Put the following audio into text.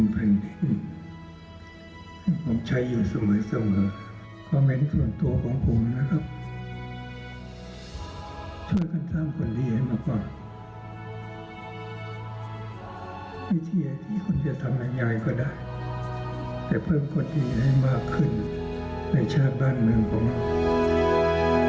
พิเศษที่คุณจะทำใหญ่ก็ได้แต่เพิ่มกฎดีให้มากขึ้นในชาติบ้านเมืองกว่ามาก